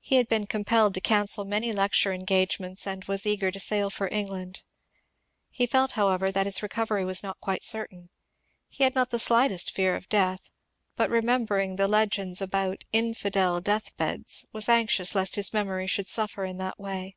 He had been compelled to cancel many lecture engagements and was eager to sail for England. He felt, however, that his recovery was not quite certain. He had not the slightest fear of death, but remembering the legends about ^^ infidel death beds," was anxious lest his memoiy should suffer in that way.